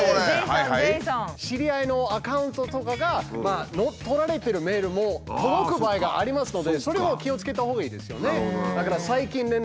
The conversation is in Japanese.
知り合いのアカウントとかが乗っ取られてるメールも届く場合がありますのでそれも気をつけたほうがいいですよね。